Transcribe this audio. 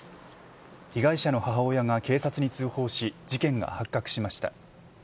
被害者の母親が警察に通報し事件が発覚しました。